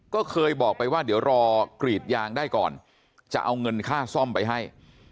ก็เคยบอกไปว่าเดี๋ยวรอกรีดยางได้ก่อนจะเอาเงินค่าซ่อมไปให้